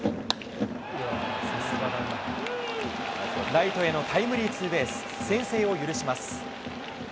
ライトへのタイムリーツーベース、先制を許します。